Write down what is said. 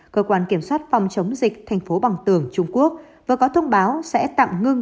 cơ quan kiểm soát phòng chống dịch tp bằng tường trung quốc vừa có thông báo sẽ tạm ngưng